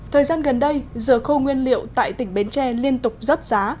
thời gian gần đây dừa khô nguyên liệu tại tỉnh bến tre liên tục rớt giá